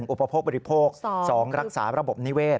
อุปโภคบริโภค๒รักษาระบบนิเวศ